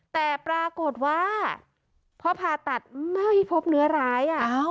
แต่ปรากฏว่าพอผ่าตัดไม่พบเนื้อร้าย